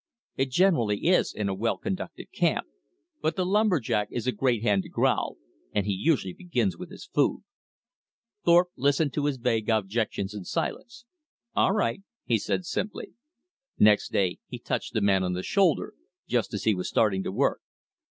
It generally is, in a well conducted camp, but the lumber jack is a great hand to growl, and he usually begins with his food. Thorpe listened to his vague objections in silence. "All right," he remarked simply. Next day he touched the man on the shoulder just as he was starting to work.